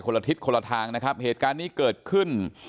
ละทิศคนละทางนะครับเหตุการณ์นี้เกิดขึ้น